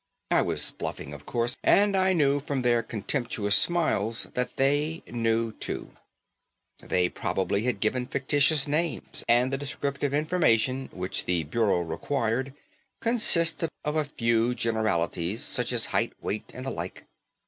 I was bluffing, of course, and I knew from their contemptuous smiles that they knew it, too. They probably had given fictitious names, and the descriptive information which the bureau required consisted of a few generalities, such as height, weight and the like.